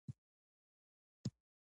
یو سل او شپږلسمه پوښتنه د تشویق په اړه ده.